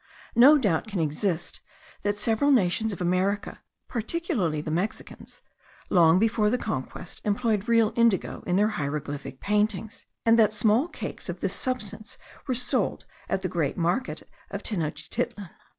No doubt can exist that several nations of America, particularly the Mexicans, long before the conquest, employed real indigo in their hieroglyphic paintings; and that small cakes of this substance were sold at the great market of Tenochtitlan.